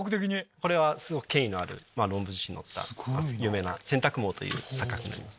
これはすごく権威のある論文誌に載った有名な選択盲という錯覚になります。